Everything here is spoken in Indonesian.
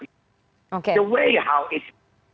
jaya bagaimana itu